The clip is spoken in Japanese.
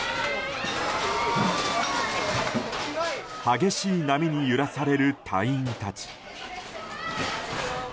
激しい波に揺らされる隊員たち。